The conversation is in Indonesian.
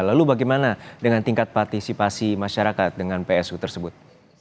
lalu bagaimana dengan tingkat partisipasi masyarakat dengan psu tersebut